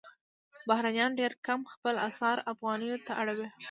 بهرنیان ډېر کم خپل اسعار افغانیو ته اړوي.